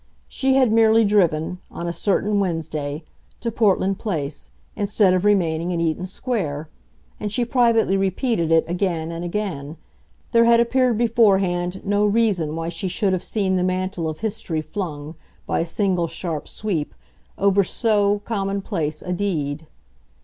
She had merely driven, on a certain Wednesday, to Portland Place, instead of remaining in Eaton Square, and she privately repeated it again and again there had appeared beforehand no reason why she should have seen the mantle of history flung, by a single sharp sweep, over so commonplace a deed.